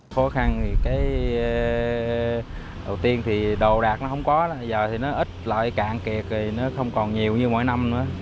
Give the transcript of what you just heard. khó khăn thì đầu tiên thì đồ đạc nó không có giờ thì nó ít lợi cạn kiệt nó không còn nhiều như mỗi năm nữa